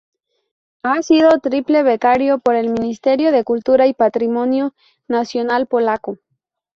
Ha sido triple becario por el Ministerio de Cultura y Patrimonio Nacional Polaco.